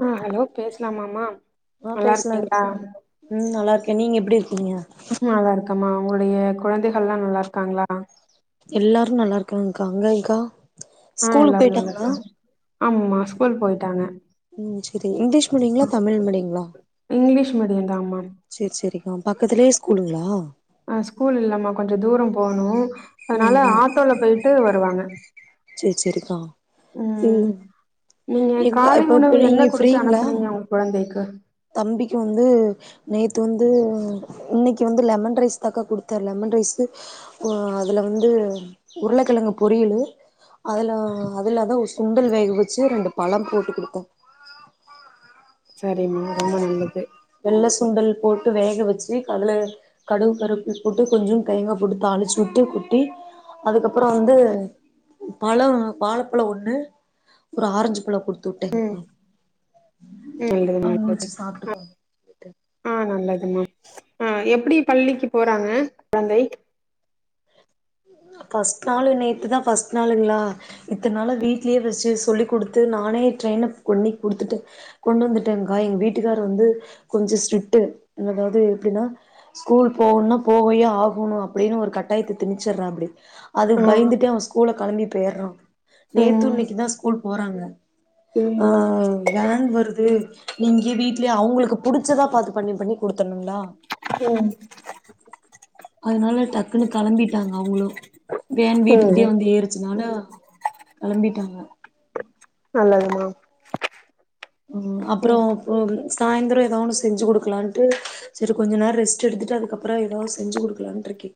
ஆஹ் hello பேசலாமாமா ஆ நல்லா இருக்கீங்களா பேசலாங்க்கா ம் நல்லா நீங்க எப்படி உம் நல்லருக்கமா உங்களுடைய குழந்தைகல்லாம் நல்லா இருக்காங்களா எல்லாரும் நல்லா இருக்காங்க்கா அங்கக்கா ஆ ஸ்கூலு எல்லாரு நல்லா போயிட்டாங்களா இருக்காங்க ஆமாம்மா ஸ்கூல் போயிட்டாங்க உம் சேரி இங்கிலீஷ் மீடியங்களா தமிழ் மீடியங்களா இங்கிலீஷ் மீடியம் தாம்மா சேரி சரிகா பக்கத்திலய ஸ்கூல் போனிங்கால ஆஹ் ஸ்கூல் இல்லாமா கொஞ்சம் தூரம் போகனும் அதனால ஆட்டோல போயிட்டு வருவாங்க சேரி சேரிக்கா ம் நீங்க எங்க காலை இப்ப இப்ப உணவு என்ன நீங்க குடுத்து ஃரீங்களா அனுப்புனீங்க உங்க குழந்தைக்கு தம்பிக்கு வந்து நேத்து வந்து இன்னைக்கு வந்து லெமன் ரைஸ் தாக்கா குடுத்தேன் லெமன் ரைஸ் அஹ் அதுல வந்து உருளைக்கிழங்கு பொரியலு அதுல அதுலதான் சுண்டல் வேக வச்சு ரெண்டு பழம் போட்டு குடுத்தேன் சரிம்மா ரொம்ப நல்லது வெள்ள சுண்டல் போட்டு வேக வச்சு கதுல கடுகு கருப்பு போட்டு கொஞ்சம் தேங்கப்போட்டு தாளிச்சுட்டு குட்டி அதுக்கப்புறம் வந்து பழ வாழைப்பழம் ஒண்ணு ஒரு ஆரஞ்சு பழம் கொடுத்து ம் விட்டேங்கா நல்லது நல்லது ஆ சொல்லிட்டு ஆஹ் நல்லது ஆஹ் எப்படி பள்ளிக்கு போறாங்க குழந்தை ஃபர்ஸ்ட் நாள் நேத்துதான் பஸ்ட் நாளுங்களா இத்தனால வீட்லயே சொல்லி கொடுத்து நானே டிரெய்னுப் கொன்னி குடுத்துட்டேன் கொண்டு வந்துட்டேன்கா எங்க வீட்டுக்கார வந்து கொஞ்சம் ஸ்ட்ரிக்ட்ட் அதாவது எப்படின்னா ஸ்கூல் போகும்னா போகியே ஆகணும் அப்படின்னு ஒரு கட்டாயத்து திச்சர்றா படி அதுக்கு ஆ பயந்துட்டு அவன் ஸ்கூல கிளம்பி பேயாறான் நேத்தும் ம் இன்னைக்குதான் ஸ்கூல் போறாங்க ம் ஆஹ் வேன் வருது நீங்க வீட்லயே அவங்களுக்கு புடிச்சதா பாத்து பண்ணி பண்ணி குடுத்தணும்ங்களா உஹம் அதனால டக்குன்னு கிளம்பிட்டு டங்க அவங்களும் வேன் வீட்டுக்கிட்டயே ம் வந்து ஏறு னால கிளம்பிட்டாங்க நல்லதுமா உஹம் ம் அப்ரோம் இ சாயந்தரம் ஏதோ ஒன்னும் செஞ்சு கொடுக்கலாம்ட்டு சரி கொஞ்ச நேரம் ரெஸ்ட் எடுத்துட்டு அதுக்கப்புறம் ஏதாவது செஞ்சு கொடுக்கலாம்ட்டு இருக்கே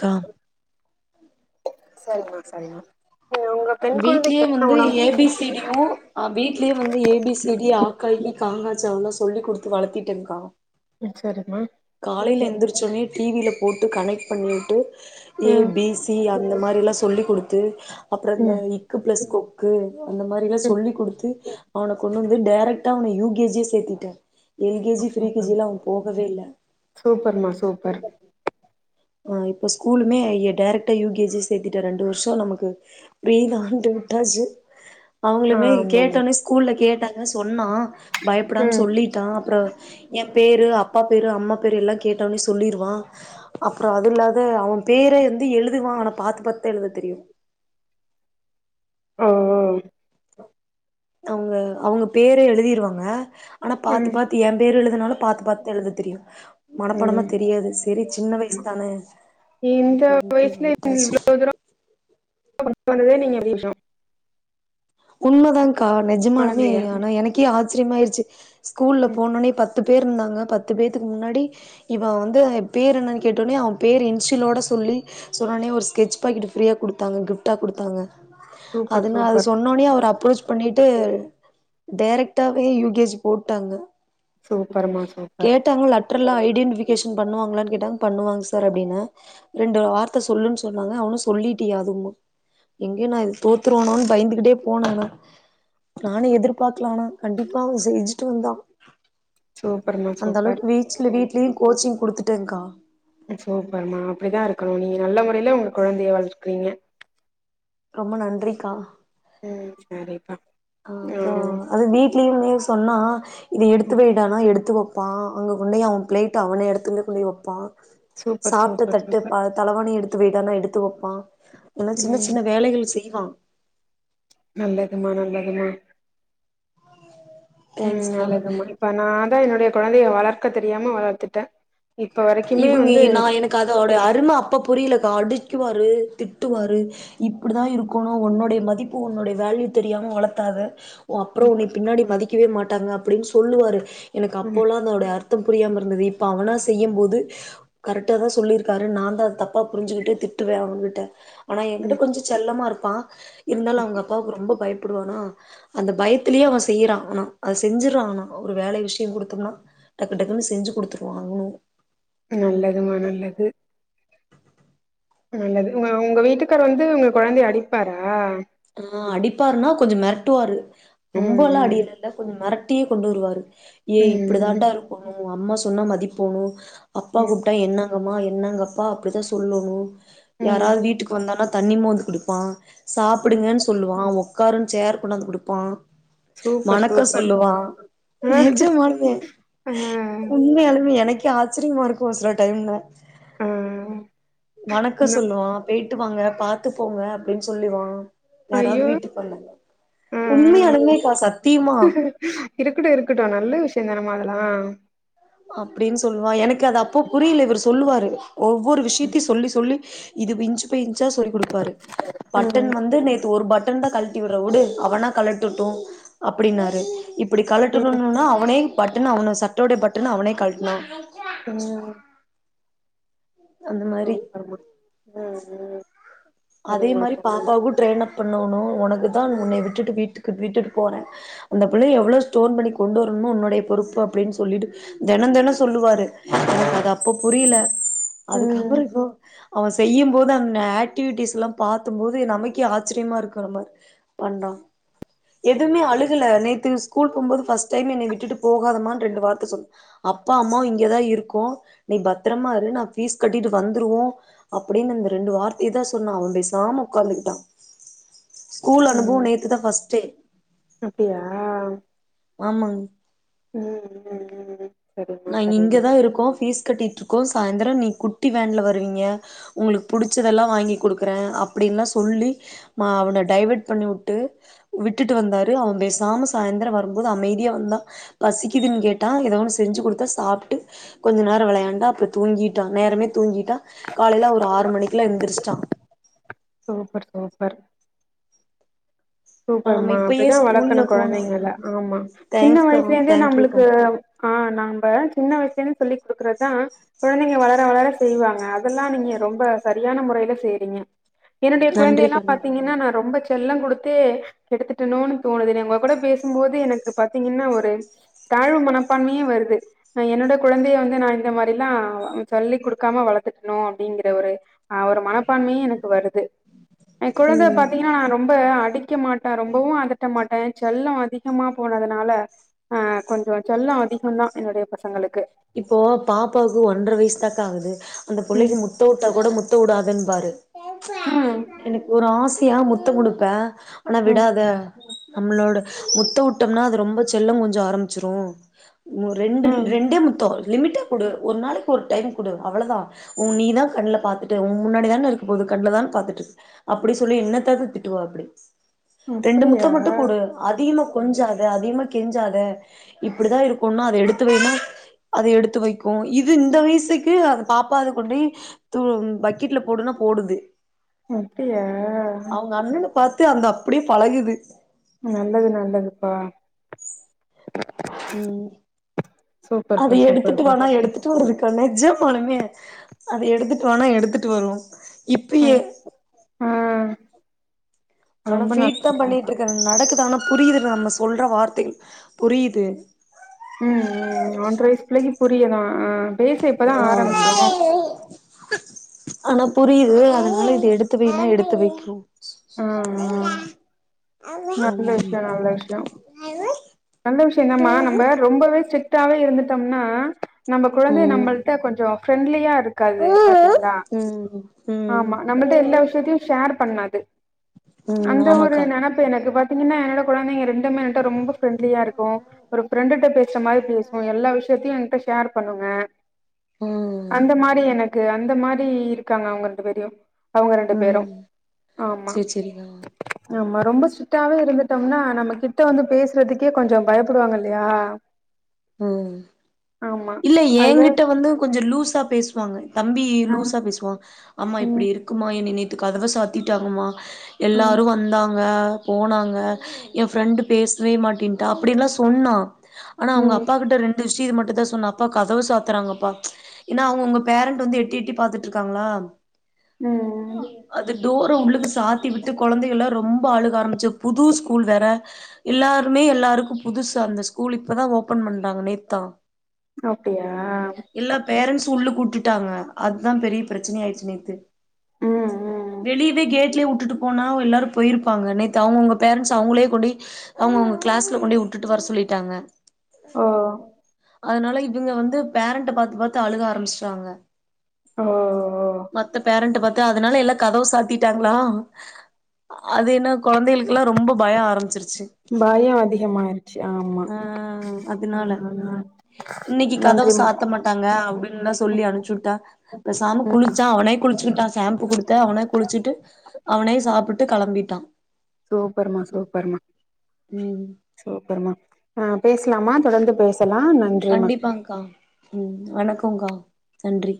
கா சாரிமா வீட்லயே வந்து ஏ பி சி வீட்யே வந்து ஏபிசிடி ஆக்காி காங்ஞா ட்சில்லாம் சொல்லி கொடுத்து வளத்திட்டேன்கா சரிம்மா காலையில் எந்திரிச்சோனே டிவியில போட்டு கனெக்ட் பண்ணிட்டு ஏ ம் பிசி அந்த மாதிரிலாம் சொல்ல் கொடுத்து அப்புறம் இந்த இக்கு பிளஸ் கொக்கு அந்த மாதிரிலாம் சொல்லி் கொடுத்து அவனை கொண்டு வந்து டைரெக்ட்டாக அவனை யுகேஜியே சேர்த்திட்டோன் எல்கேஜி சூப்பர் ஃப்ரீகேஜியிலாம் அவன் போகவே இல்லை சூப்பர்மா சூப்பர் ஆஹ் இப்ப ஸ்கூலுமேஐய டைேரெக்டா யுகேஜி சேர்த்தட்டே ரெண்டு வருஷம் நமக்கு பிரரீ தான்ட்டு விட்டாச்சு அவங்களுமே ஆமாமா கேட்டோனே ஸ்கூல்ல கேட்டன் ஏ சொன்னா பயப்படாமனு ம் சொல்லிட்டான் அப்புறம் என் பேரு அப்பா பேரு அம்மா பேரு எல்லாம் கேட்டோனே சொல்லிருவான் அப்புறம் அது இல்லாத அவன் பேர வந்து எழுதுவான் ஆனா பாாத்து பாத்து எழுத தெரியும் ஆஹஹ அவங்க அவங்க பேர எழுதிருவாங்க ஆனா ம் பாத்து பாத்து என் பேரு அதனால பாத்து பாத்து எழுத தெரியும் மனப்படமா ம் தெரியாது சரி சின்ன வயசு தானே இந்த வயசுல இவ்ளவு தூரம் வந்ததே நீங்க எப்படி விஷம் உன்மதாங்க நெஜமானமே கொழந்தைய ஆனா எனக்கே ஆ ஸ்ரிமயஜி ஸ்கூல்ல ம் போனோனே பத்து பேர் இருந்தாங்க பத்து பேத்தக்கு முன்னாடி இவன் வந்து பேர் என்னன்னு கேட்டோடனே அவன் பேர் இன்ஸலோட சொல்லி சொன்னோநே ஒரு ஸ்கெட்ச் பாக்கெட் ஃப்ரீயாக கொடுத்தாங்க கிஃப்ட்டாக கொடுத்தாங்க சூப்பர் சூப்பர் அவ அப்ரோச் பண்ணிட்டு டைரக்டாவே யூகேஜி போட்டாங்க சூப்பர்மா சூப்பர் கேட்டாங்க லட்ரல ஐடின் வி அட்மிஷன் பண்ணுவங்களானு கேட்டாங்க பண்ணுவாங்க சார் அப்டின்னு ரெண்டு வார்த்த சொல்லு சொன்னாங்க அவ சொல்லிட்டங்க எங்க நா தோத்துறுவானோனு பயந்து டே போனோனா நானும் எதிர்பார்க்கலா ஆனா கண்டிப்பா அவன் செஞ்சுட்டு வந்தான் சூப்பர்மா அந்த சூப்பர் அளவுக்கு வீச்சல வீட்லயும் கோச்சிங் குடுத்துட்டேகா சூப்பர்மா அப்படிதான் இருக்கணும் நீங்க நல்ல வீட்டிலேயே உங்க குழந்தைய வளக்கறீங்க ரொம்ப நன்றிக்கா உம் சரிப்பா ம் ஆஹ் அது வீட்லயும் சொன்னா இதை எடுத்து வையிடானா எடுத்துவோம் வைப்பான் அங்க கொண்டேய் அவன்பிளேட்ட அவனே எடுத்துலே கொண்டு வைப்பான் சூப்பர் சாப்பிட்ட சூப்பர் தட்டு சூப்பர் ப தளவானி எடுத்து வைடானா எடுத்து தூடப்பான் ல்லா சின்ன சின்ன ம் வேலைகள் செய்வான் நல்லதுமா நல்லதுமா உம் தேங்க்ஸ்கா நல்லதுமா இப்ப நான் தான் என்னுடைய குழந்தையை வளர்க்க தெரியாம வளர்த்துட்டேன் இவங்க நான் எனக்கு அதோட அருமை அப்ப புரியலக்கா அடிக்குவாரு திட்டுவாரு இப்படிதான் இருக்கணும் உன்னுடைய மதிப்பு உன்னுடைய வேல்யூ தெரியாம வளத்தாத அப்புறம் ம் உன்னை பின்னாடி மதிக்கவேமாட் இவாங்க அப்படின்னு சொல்லுவாரு எனக்கு ம் அப்போல்லாம் அதோடைய அர் புரியாம இருந்தது இப்ப அவனா செய்யும் போது து கரெக்ட்டா தான் சொல்லிருக்காரு நான் தான் அத தப்பா புரிஞ்சுகிட்டு திட்டுவேன் அவ கிட்ட ஆனா என்கிட்ட ம் கொஞ்ச செல்லமா இருக் ப்பா இருந்தாலும் அவங்க அப்பாவுக்கு ரொம்ப பயப் ப்புடுவானா அந்த பயத்திலயே அவன் செய்யறான் ஆனா அத செஞ்சுறான்னா ஒரு வேலை விஷயம் குடுத்தோம்னா டக்கு டக்குன்னு செஞ்சு குடுத்துருவான் அவனும் நல்லதுமா நல்லது நல்லது உங்க உங்க வீட்டுக்காரு வந்து உங்க குழந்தைய அடிப்பாரா ஆஹ் அடிப்பாருன்னா கொஞ்சம் மெரட்டுவாரு ம் ரொம்பெல்லாம் ம் அடியில இல்ல கொஞ்சம் மெரட் திட்டியே கொண்டுவருவாரு ஏ ம் இப்படிதான்டா இருக்குனு உன் அம்மா சொன்னா மதிப்போணு அப்பா ம் கூப்ட்டா என்ன ங்கமா என்னங்கப்பா அப்படித்தான் சொல்லணும் ம் யாராவது வீட்டுக்கு வந்தனா தண்ணி மோந்து குடுப்பான் சா ம் ப்புடுங்கன்னு சொல்லுவான் ஓக் காருன் சேர் கொண்டாந்து கொடுப்பா சூப்பர் வணக்கம் சூப்பர் சொல்லுவான் ஆ நிஜமாவே ஆ உண்மையாலுமே எனக்கு ஆச்சரியமா இருக்கும் சில டைம்ல ஆ வணக்கம் சொல்லுவான் போயிட்டு வாங்க பாத்து போங்க அப்படின்னு சொல்லுவா யாராவது ஐயோ வீட்டு வந் ஆ ஆ உண்மையலூமேல பா சத்தியமா ஹம் அப்படின்னு சொல்லுவா எனக்கு அது அப்போ புரியல இவர் சொல்லுவாரு ஒவ்வொரு விஷயத்தையும் சொல்லி சொல்லி இது விஞ்சி போய் சா சொல்லி் கொடுப்பாரு பட்டன் ம் வந்து நேத்து ஒரு பட்டன் தான் கழட்டி விடுற விடு அவனா கழட்டுட்டும் அப்படின்னாரு இப் இப்படி ம் கழட்டணும்ன்னா அவனே பட்டன அவனு சட்டோடைய பட் டன் அவனே கழட்னா [unintelligible] அந்த மாரி [unintelligible] ஹ ஹ அதே மாதிரி பாப்பாவும் ட்ரெய்னாப் பண்ணனோ உனக்குதான் உன்னை விட்டுட்டு வீட்டு விட்டுட்டு போறேன் அந்த புள்ளைய எவ்லோ ஸ்டோன் பண்ணி கொண்டு வரும்னு உன்னுடைய பொறுப்பு அப்படின்னு சொல்லிட்டு தினம் தினம் சொல்லுவாரு எனக்கு அது அப்ப புரியல ம் அதுக்கப்புறம் இப்போ அவன் செய்யும்போது அங்க ஆட் அஃட்டிவிடீஸ் எல்லாம் பாதும்போது நமக்கே ஆச்சரியமா இருக்கு நம பண்றான் எதுவுமே அழுகல நேத்து ஸ்கூல் போமோது பஸ்ட் டைம் என்னை விட்டுட்டு போகாதமனு ரெண்டு வார்த்தை சொல்ல அப்பா அம்மும் இங்கேதான் இருக்கும் நீ பத்திரமா இரு நான் பீஸ் கட்டிட்டு வந்துருவோம் அப்படின்னு ரெண்டு வார்த் இதான் சொன்னா அவன் பேசாம உட்காந்துகிட்டான் ஸ்கூல் அனுபவம் ம் நேத்துதான் பஸ்ட்ஸ்டே அப்டியா ஆமாங்க ம் ம் ம் சரிம்மா நாங்க சரிம்மா இங்கதான் இருக்கோம் ப்பீஸ் கட்டிட்டு இருக்கோம் சாயந்தரம் நீ குட்டி வேன்ல வருவீங்க உங்களுக்கு புடிச்சதெல்லாம் வாங்கி கொடுக்கறேன் அப்படின்ல்லாம் சொல்லி அவனை டைவர்ட் பண்ணி விட்டு விட்டுட்டு வந்தாரு அவன் பேசாம சாயந்திரம் வரும்போது அமைதியா வந்தான் பசிக்குதுன்னு கேட்டான் ஏத செஞ்சு கொடுத்தா சாப்பிட்டு கொஞ்ச நேர விளையாண்டா அப்புற தூங்கிட்டான் நேரமே தூங்கி காலையில ஒரு ஆறு மணிக்குல எழுந்திரச்சிட்டான் சூப்பர் சூப்பர் நாம சூப்பர்மா இப்பயே அப்படிதான் ஸ்கூல்ல வளர்க்கனும் போனா குழந்தைங்களா ஆமா சின்ன தேங்க்ஸ்க்கா வயசுல இருந்தே தேங்க்யூக்கா நம்மளுக்கு ஆஹ் நாம சின்ன வயசுலேந்து சொல்லி் கொடுக்கறதான் குழந்தைங்க வளர வளர செய்வாங்க அதெல்லா நீங்க ரொம்ப சரியான முறையில செறீங்க என்னுடைய குழந்தைய நன்றிக்கா எல்லாம் பார்த்தீங்கன்னா நன்றிக்கா நான் ரொம்ப செல்லம் கொடுத் எடுத்துட்டனோனு தோணுது உங்க கூட பேசும்போது எனக்கு பார்த்தீங்கன்னா ஒரு தாழ்வு மனப்பான்மையே வருது என்னோட குழந்தைய வந்து நான் இந்த மாதிரி எல்லாம் சொல்லி் கொடுக்காம வளர்த்துட்டணும் அப்படிங்கிற ஒரு ஆ ஒரு மனப்பான்மையே எனக்கு வருது என் குழந்தை ம் பாத்தீங்கன்னா நான் ரொம்ப அடிக்க மாட்டேன் ரொம்பவும் அதட்ட மாட்டேன் செல்லம் அதிகமா போனதுனால ஆஹ் கொஞ்சம் செல்லம் அதிக தான் என்னுடைய பசங்களுக்கு இப்போ பாப்பாவுக்கு ஒன்றரை வயசு தாக்கு ஆகுது அந்த ம். பிள்ளைக்கு முத்த விட்டா கூட முத்த விடாது உடன்பாடு ஆ. எனக்கு ஒரு ஆசை ஆசியா முத்தம் கொடுப்பேன் ஆனா ம். விடாத நம்மளோட முத்தவுட்டம்னா அது ரொம்ப செல்லம் கொஞ்ச ஆரம்பிச்சிரும் ரெண்டு ரெண்டே மு லிமிட்டா கொடு ஒரு நாளைக்கு ஒரு டைம் குடு அவ்வளவுதான் உ நீதான் கண்ல பார்த்துட்டு உன் முன்னாடிதானே இருக்க போகுது கண்ல தானே பார்த்துட்டு இரு அப்படி சொல்லி என்னத்த திட்டுவாப்புடி ரெண்டு அப்படியா? முத்தம்மட்டும் கூடு அதிகமா கொஞ்சாத அதிகமா கெஞ்சாத இப்படிதான் இருக்கும்னா அதை எடுத்து வைனா அதை எடுத்து வைக்கும் இது இந்த வயசுக்கு அத பாப்பாது கொண்டே பக்கெட்ல போடுனா போடுது அப்படியா அவங்க அண்ணன பாத்து அந்த அப்படியே பழகுது நல்லது நல்லதுப்பா உம் சூப்பர்ப்பா அது எடுத்துட்டு சூப்பர்ப்பா வாணா எடுத்துட்டு வருது நிஜமாலுமே அது எடுத்துட்டு வான்னா எடுத்துட்டு வரும் இப்பேயே ஆஹ் ஆனா ஃபீட் தான் பண்ணிட்டு இருக்கேன் நடக்குது ஆனா புரியுது நம்ம சொல்ற வார்த்தைகள் புரியுது உம் உம் ஒண்டறை வயசு பிள்ளக்கி புரியுதான் ஆஹ் பேச இப்பதான் ஆரம்பிக்கும் ஆ ஆனா புரியுது இது எடுத்து வைன்ன எடுத்து வை ரும் ஆ இந்த நல்ல விஷயம் நல்ல விஷயம் நல்ல விஷயம் தாம்மா நம்ம ரொம்பவே ச ப்பாவே இருந்துட்டோம்னா நம்ம குழந்தை ம் நம்மளிட்ட கொஞ்சம் ஃப்ரெண்ட்லியா இருக்காது ம் பாத்தீங்களா ம் ஆமா நம்மளிட்ட எல்லா விஷயத்தையும் ஷேர் பண்ணாது து ம் அந்த ஒரு ஆமாக்கா நினப் அது பாத்தீங்கன்னா என்னோட குழந்தைங்க ரெண்டுமே ரொம்ப பிரரெண்ட்லியா இருக்கும் ஒரு பிரரெண்ட பேசுற மாதிரி பேசும் எல்லா விஷயத்தையும் ஷேர் பண்ணுங்க ம் அந்த மாதிரி எனக்கு அந்த மாதிரி இருக்காங்க அவங்க ரெண்டு பேரையும் அவங்க ரெண்டு பேரும் ம் ஆமாம் சேரி சேரிக்கா ஆமா ரொம்ப ஸ்டிட்டாவே இருந்துட்டோம்னா நம்ம கிட்ட வந்து பேசுறதுக்கே கொஞ்சம் பயப்புடுவாங்க இல்லையா உஹம் ஆமா இல்ல அது எனங்கிட்ட வந்து கொஞ்சம் லூஸா பேசுவாங்க தம்பி ஆ லூஸா பேசுவான் ஆமா இப்படி ம் இருக்குமா நேத்து கதவை சாத்திட்டாங்கமா ம் எல்லாரும் வந்தாங்க போனாங்க என் ஃப்ரெண்டு் பேசவே மாட்டேன்ட்டா அப்டி எல்லாம் சொன்னான் ஆனா அவங்க ம் அ ரெண்டு விஷயம் மட்டும் தான் சொன்ன அப்பா கதவு சாத்துறாங்கப்பா ஏன்னா அவங்க உங்க பேரண்டட் வந்து எட்டி எட்டி பாத்துட்டு இருக்காங்களா உம் தூரம் உள்ளுக்கு சாத்தி விட்டு கொழந்தைகள்லாம் ரொம்ப அழுக ஆரம்பிச்சு புது ஸ்கூல் வேற எல்லாருமே எல்லாருக்கும் புதுசு அந்த ஸ்கூல் இப்போதான் ஓப்பன் ப்பன் பண்டாங்க நேத்தான் அப்டியா உல்லுக்கு கூட்டுட்டாங்க அதுதான் பெரிய பிரச்சனனை ஆயிடுச்சு நேத்து ம் ம் வெளியவே கேட்லயே உட்டுட்டு போனா எல்லாரும் போயிருப்பாங்க நேத்து அவங்கவுங்க பேரன்ட்ஸ் அவங்களே கொண்டுய அவங்க அவங்க கிளாஸ்ல கொண்டுய விட்டுட்டு வர சொல்லிட்டாங்க ஓ அதனால இவங்க வந்து பேரண்ட்ட பாத்து பாத்து அழுக ஆரம்பிச்சறாங்க ஓ ஓ பேரண்ட்ட பாத்து அதனால எல்லாம் கதவு சாத்திட்டாங்களா அது என்ன கொழந்தைகளுக்குெல்லாம் ரொம்ப பயம் ஆரம்பிச்சிரு பயம் அதிகமாயிடுச்சு ஆ ஆ அதனால இன்னைக்கி கதவு நன்றிமா சாத்த மாட்டாங்க அப்டின்னுதாம் சொல்லி அனுச்சு விட்டான் இப்ப சாம ம் குளிச்சான் அவனே குளிச்சுக்கிட்டான் ஷாம்பு கொடுத்தேன் அவனே குளிச்சுட்டு அவனே சாப்பட்டு கிளம்பிட்டான் சூப்பர்மா சூப்பர்மா ம் சூப்பர்மா ஆ பேசலாமா தொடர்ந்து பேச கண்டிப்பாங்கா ம் வணக்கம் போங்கா நன்றி